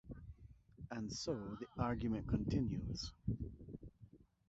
And so, the argument continues.